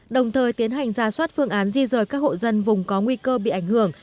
đồng thời tiến hành ra soát phương án di rời các hộ dân vùng có nguy cơ bị ảnh hưởng